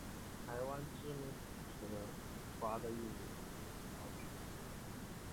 台湾知名主持人胡瓜的艺名是他取的。